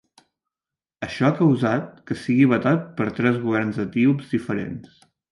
Això ha causat que sigui vetat per tres governs etíops diferents.